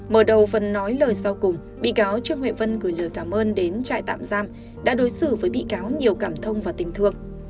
mở đầu phần nói lời sau cùng bị cáo trương huệ vân gửi lời cảm ơn đến trại tạm giam đã đối xử với bị cáo nhiều cảm thông và tình thương